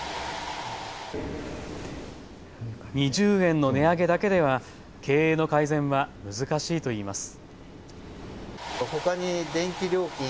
２０円の値上げだけでは経営の改善は難しいといいます。